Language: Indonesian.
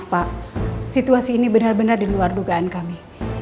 maaf pak situasi ini bener bener diluar dugaan kami